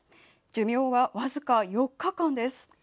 寿命は、僅か４日間です。